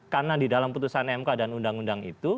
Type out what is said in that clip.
karena di dalam putusan mk dan undang undang itu